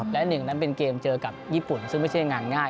และหนึ่งนั้นเป็นเกมเจอกับญี่ปุ่นซึ่งไม่ใช่งานง่าย